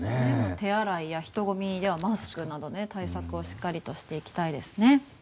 手洗いや人混みではマスクなど対策をしっかりとしていきたいですね。